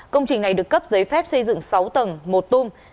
công trình này được cấp giấy phép xây dựng sáu tầng một tung